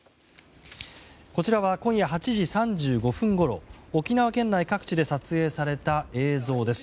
こちらは今夜８時３５分ごろ沖縄県内各地で撮影された映像です。